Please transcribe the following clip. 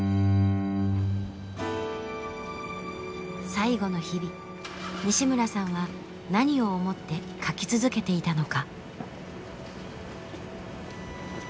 最後の日々西村さんは何を思って書き続けていたのか。